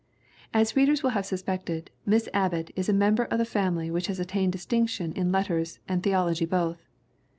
As readers will have suspected, Miss Abbott is a member of the family which has attained distinction in letters and theology both.